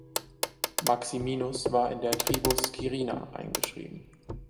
Maximinus war in der Tribus "Quirina" eingeschrieben.